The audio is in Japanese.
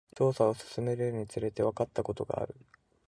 調査を進めるにつれて、わかったことがある。